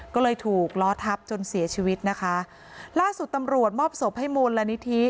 ก็เลยถูกล้อทับจนเสียชีวิตนะคะล่าสุดตำรวจมอบศพให้มูลนิธิ